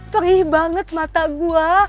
perih banget mata gue